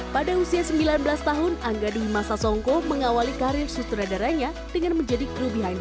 pada usia sembilan belas tahun angga dwi masa songko mengawali karir sutradaranya dengan menjadi kru behind